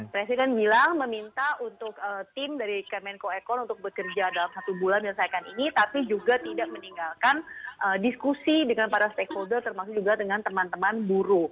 presiden bilang meminta untuk tim dari kemenko ekon untuk bekerja dalam satu bulan dan saya akan ini tapi juga tidak meninggalkan diskusi dengan para stakeholder termasuk juga dengan teman teman buruh